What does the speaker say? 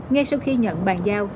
ngay sau khi nhận bàn giao